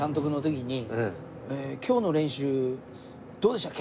「今日の練習どうでした？